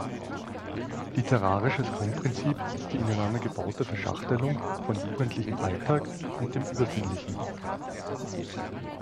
Literarisches Grundprinzip ist die ineinander gebaute Verschachtelung von jugendlichem Alltag und dem Übersinnlichen.